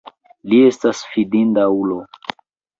Li estas fidinda ulo.